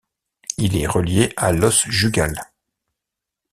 Il est relié à l'os jugal.